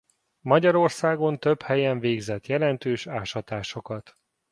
Magyarországon több helyen végzett jelentős ásatásokat.